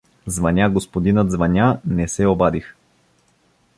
Звъня господинът, звъня — не се обадих.